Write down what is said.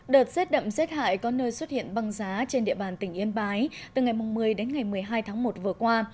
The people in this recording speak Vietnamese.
đợt rét đậm rét hại có nơi xuất hiện băng giá trên địa bàn tỉnh yên bái từ ngày một mươi đến ngày một mươi hai tháng một vừa qua